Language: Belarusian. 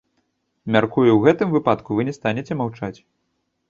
Мяркую, у гэтым выпадку вы не станеце маўчаць?